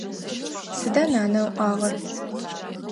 Сыда нанэ ыӏуагъэр?